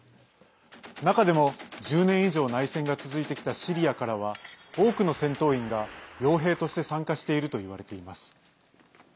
中でも１０年以上内戦が続いてきたシリアからは多くの戦闘員がよう兵として参加しているといわれています。